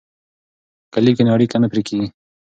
که لیک وي نو اړیکه نه پرې کیږي.